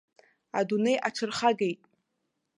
Адунеи аҽархагеит.